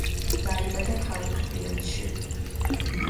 დაიბადა ქალაქ ლიონში.